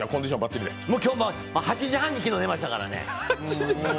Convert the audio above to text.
今日は８時半に寝ましたからね。